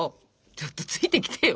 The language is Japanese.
ちょっとついてきてよ。